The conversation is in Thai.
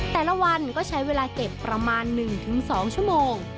แต่ละวันก็ใช้เวลาเก็บประมาณ๑๒ชั่วโมง